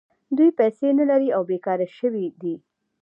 دوی پیسې نلري او بېکاره شوي دي